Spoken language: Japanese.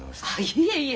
いえいえ。